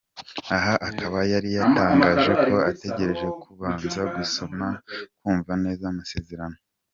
Aha akaba yari yatangaje ko ategereza kubanza gusoma no kumva neza amasezerano.